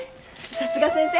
さすが先生。